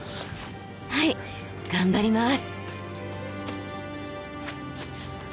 はい頑張ります！